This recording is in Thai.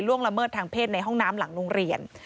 ละเมิดทางเพศในห้องน้ำหลังโรงเรียน